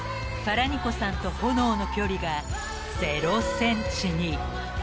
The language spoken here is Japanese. ［ファラニコさんと炎の距離がゼロセンチに］